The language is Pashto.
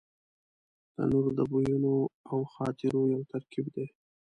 تنور د بویونو او خاطرو یو ترکیب دی